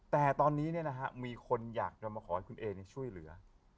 แต่ตอนนี้มีคนอยากจะมาขอให้คุณเอช่วยเหลือ